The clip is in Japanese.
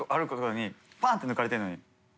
パッて抜かれてるのに。